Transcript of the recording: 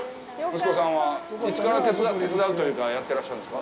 息子さんはいつから手伝うというかやってらっしゃるんですか。